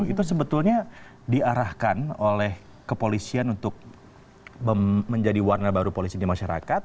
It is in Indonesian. itu sebetulnya diarahkan oleh kepolisian untuk menjadi warna baru polisi di masyarakat